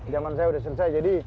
zaman saya sudah selesai jadi